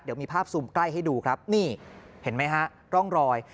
เดี๋ยวมีภาพซูมใกล้ให้ดูครับนี่เห็นไหมฮะร่องรอย